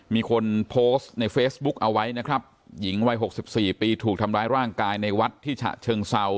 มีคนโพสต์ในเฟซบุ๊กเอาไว้นะครับหญิงวัยหกสิบสี่ปีถูกทำร้ายร่างกายในวัดที่ฉะเชิงเซา